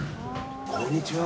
こんにちは。